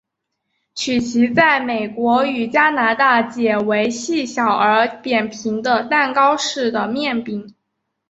曲奇在美国与加拿大解为细小而扁平的蛋糕式的面饼。